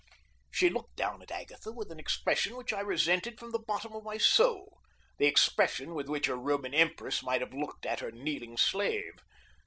She looked down at Agatha with an expression which I resented from the bottom of my soul the expression with which a Roman empress might have looked at her kneeling slave.